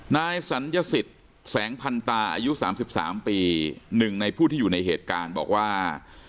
นายสัญญสิตแสงพันตาอายุสามสิบสามปีหนึ่งในผู้ที่อยู่ในเหตุการณ์บอกว่า